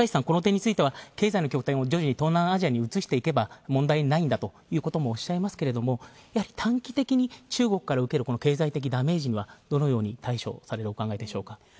経済の拠点を東南アジアに移せば問題ないんだということもおっしゃいますけど短期的に中国から受ける経済的ダメージにはどのように対処されるおつもりでしょうか？